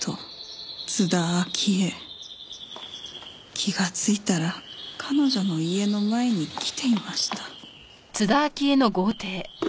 気がついたら彼女の家の前に来ていました。